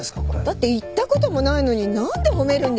だって行ったこともないのに何で褒めるんですか？